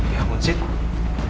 ya ampun sita